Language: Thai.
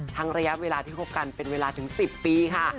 ระยะเวลาที่คบกันเป็นเวลาถึง๑๐ปีค่ะ